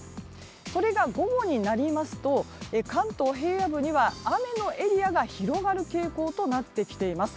それが午後になりますと関東平野部には雨のエリアが広がる傾向となってきています。